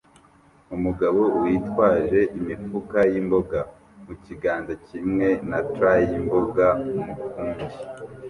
Umugabo witwaje imifuka yimboga mukiganza kimwe na tray yimboga mukundi